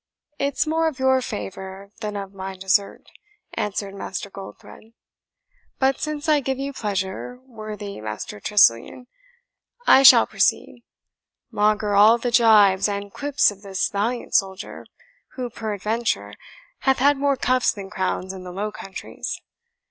"It's more of your favour than of my desert," answered Master Goldthred; "but since I give you pleasure, worthy Master Tressilian, I shall proceed, maugre all the gibes and quips of this valiant soldier, who, peradventure, hath had more cuffs than crowns in the Low Countries.